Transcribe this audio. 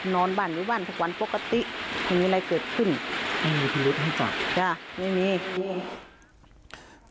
นอนบ้านอยู่บ้านทุกวันปกติไม่มีอะไรเกิดขึ้นไม่มีพิรุษให้จอดจ้ะไม่มีจริง